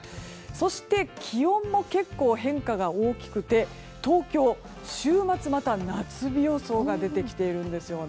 そして、気温も結構変化が大きくて東京、週末また夏日予想が出てきているんです。